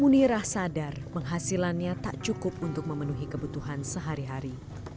munirah sadar penghasilannya tak cukup untuk memenuhi kebutuhan sehari hari